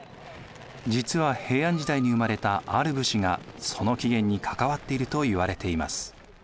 実は平安時代に生まれたある武士がその起源に関わっているといわれています。